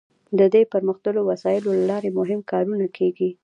د دې پرمختللو وسایلو له لارې مهم کارونه کیږي.